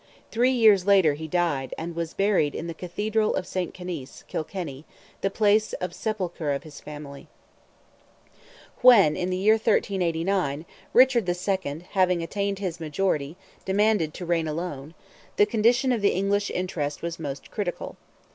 Three years later he died, and was buried in the Cathedral of St. Canice, Kilkenny, the place of sepulture of his family. When, in the year 1389, Richard II., having attained his majority, demanded to reign alone, the condition of the English interest was most critical.